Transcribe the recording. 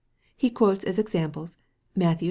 He quotes as examples, Matt ii.